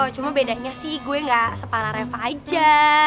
cuma bedanya sih gue gak separah reva aja